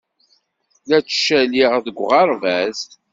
La ttcaliɣ deg uɣerbaz.